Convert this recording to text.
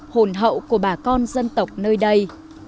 hồn hậu của bà con dân tộc nơi đây